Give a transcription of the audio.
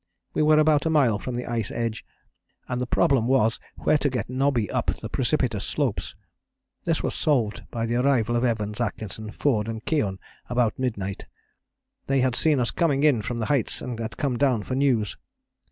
We were about a mile from the ice edge; and the problem was where to get Nobby up the precipitous slopes. This was solved by the arrival of Evans, Atkinson, Forde and Keohane about midnight. They had seen us coming in from the heights, and had come down for news.